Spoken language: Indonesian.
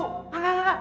enggak enggak enggak